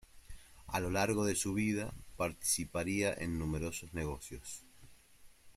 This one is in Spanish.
A lo largo de su vida participaría en numerosos negocios.